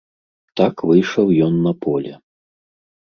Так выйшаў ён па поле.